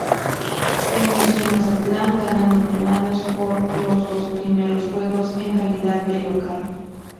Se inició en Mazatlán, ganando "Venados" los dos primeros juegos en calidad de local.